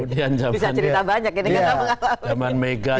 bisa cerita banyak ini